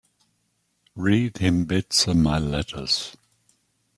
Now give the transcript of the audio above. Read him bits of my letters.